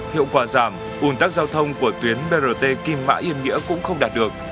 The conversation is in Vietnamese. hiệu quả giảm ủn tắc giao thông của tuyến brt kim mã yên nghĩa cũng không đạt được